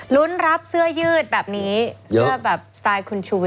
รุ้นรับเสื้อยืดแบบนี้เสื้อแบบสไตล์คุณชูวิท